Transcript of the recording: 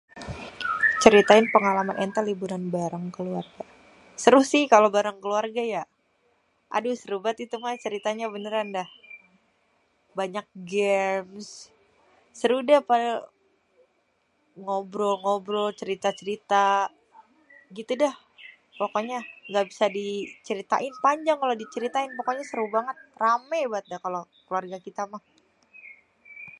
Ceritain pengalaman enté liburan bareng keluarga, seru sih kalo bareng keluarga ya aduh seru bét itu ceritanya beneran dah, banyak gems, seru deh ngobrol-ngobrol, cerita-cerita, gitu dah, pokonya gabisa di ceritain, panjang kalo di ceritain pokonya seru banget rame bét dah kalo keluarga kita mah.